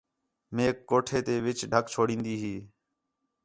میک کوٹھے تی وِچ ڈھک چھڑین٘دی ہِے